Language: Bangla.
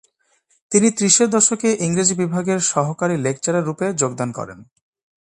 তিনি ত্রিশের দশকে ইংরেজি বিভাগের সহকারী লেকচারার রুপে যোগদান করেন।